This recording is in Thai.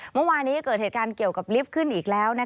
เมื่อวานี้เกิดเหตุการณ์เกี่ยวกับลิฟต์ขึ้นอีกแล้ว